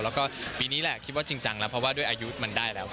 แล้วก็ปีนี้แหละคิดว่าจริงจังแล้วเพราะว่าด้วยอายุมันได้แล้ว